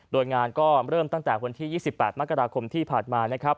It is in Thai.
โดยงานก็เริ่มตั้งแต่วันที่๒๘มกราคมที่ผ่านมานะครับ